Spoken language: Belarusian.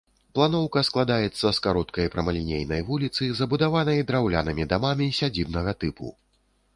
Планоўка складаецца з кароткай прамалінейнай вуліцы, забудаванай драўлянымі дамамі сядзібнага тыпу.